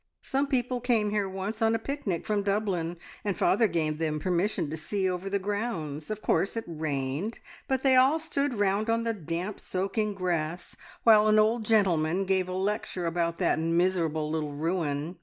Some people came here once on a picnic from Dublin, and father gave them permission to see over the grounds. Of course it rained, but they all stood round on the damp, soaking grass while an old gentleman gave a lecture about that miserable little ruin.